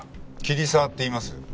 桐沢っていいます。